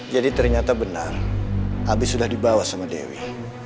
jadi ternyata benar abi sudah dibawa sama dewi